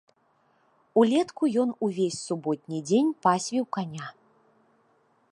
Улетку ён увесь суботні дзень пасвіў каня.